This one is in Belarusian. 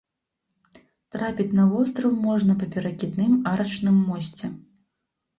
Трапіць на востраў можна па перакідным арачным мосце.